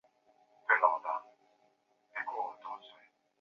曾祖父宋思贤。